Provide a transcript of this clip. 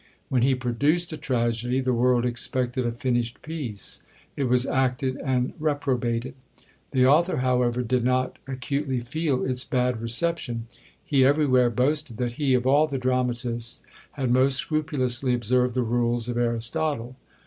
When he produced a tragedy, the world expected a finished piece; it was acted, and reprobated. The author, however, did not acutely feel its bad reception; he everywhere boasted that he, of all the dramatists, had most scrupulously observed the rules of Aristotle.